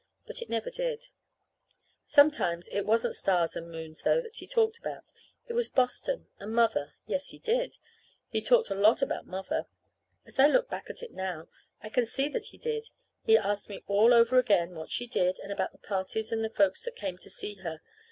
But it never did. Sometimes it wasn't stars and moons, though, that he talked about. It was Boston, and Mother. Yes, he did. He talked a lot about Mother. As I look back at it now, I can see that he did. He asked me all over again what she did, and about the parties and the folks that came to see her.